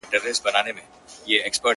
زما امام دی -